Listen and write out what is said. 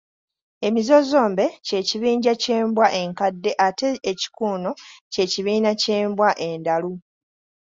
Emizoozombe ky’ekibinja ky’embwa enkadde ate ekikuuno ky’ekibinja ky’Embwa endalu.